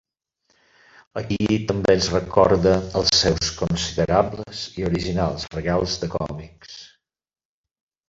Aquí també ens recorda els seus considerables i originals regals de còmics.